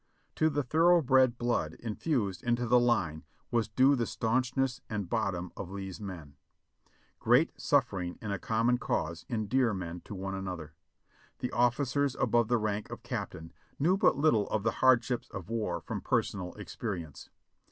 To the thoroughbred blood in fused into the line was due the staunchness and bottom of Lee's men. Great sufTering in a common cause endear men to one another. The officers above the rank of captain knew but little of the hardships of war from personal experience.